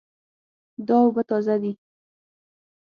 دا اوبه تازه دي